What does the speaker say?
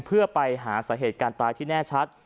เพื่อไปหาสาเหตุการณ์ตายที่แน่ชัด